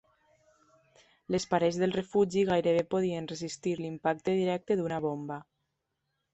Les parets del refugi gairebé podrien resistir l'impacte directe d'una bomba.